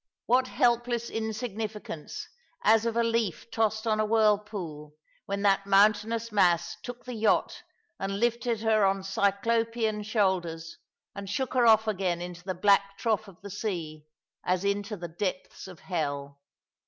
What helpless insignificance, as of a leaf tossed on a whirlpool, when that mountainous mass took the yacht and lifted her on Cyclopean shoulders, and shook her off again into the black trough of the sea, as into the depths of hell